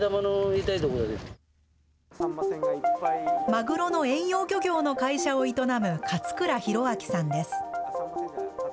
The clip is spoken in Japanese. マグロの遠洋漁業の会社を営む勝倉宏明さんです。